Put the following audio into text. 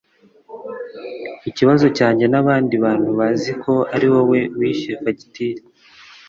ikibazo cyanjye nabandi bantu bazi ko ari wowe wishyuye fagitire